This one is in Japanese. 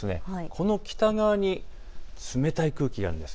この北側に冷たい空気があるんです。